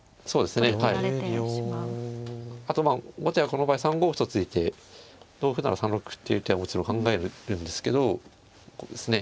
あと後手はこの場合３五歩と突いて同歩なら３六歩っていう手はもちろん考えるんですけどこうですね。